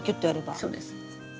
そうです。